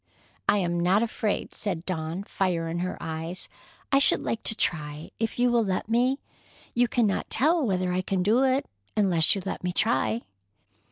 "I am not afraid," said Dawn, fire in her eyes. "I should like to try, if you will let me. You cannot tell whether I can do it unless you let me try."